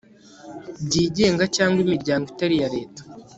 byigenga cyangwa imiryango itari iya leta